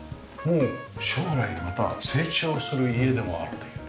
将来また成長する家でもあるというね。